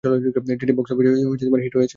যেটি বক্স অফিসে হিট হয়েছিল।